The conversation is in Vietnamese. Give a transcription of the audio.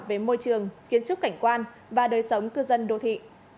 về môi trường kiến trúc cảnh quan và đời sống cư dân đô thị